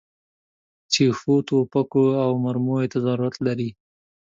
چې ښو توپکو او مرمیو ته ضرورت لري.